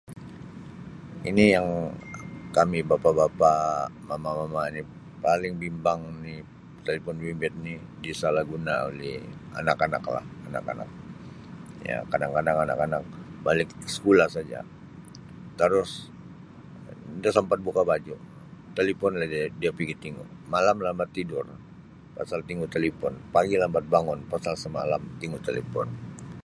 Ini yang kami bapa-bapa, mama-mama ni paling bimbang ni telipon bimbit ni disalahguna oleh anak-anak lah, anak-anak. Ya, kadang-kadang anak-anak balik sekolah saja tarus, inda sempat buka baju telipon lah dia-dia pigi tingu, malam lambat tidur pasal tingu telipon, pagi lambat bangun pasal semalam tingu telipon.